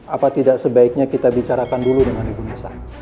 apa tidak sebaiknya kita bicarakan dulu dengan ibu nisa